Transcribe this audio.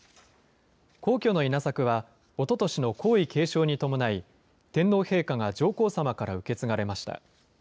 皇居の稲作は、おととしの皇位継承に伴い、天皇陛下が上皇さまから受け継がれました。